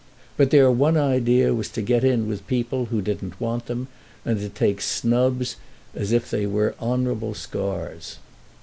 But their one idea was to get in with people who didn't want them and to take snubs as it they were honourable scars.